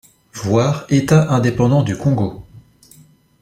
Voir État indépendant du Congo.